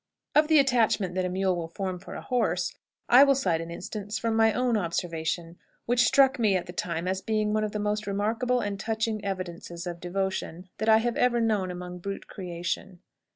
Of the attachment that a mule will form for a horse, I will cite an instance from my own observation, which struck me at the time as being one of the most remarkable and touching evidences of devotion that I have ever known among the brute creation.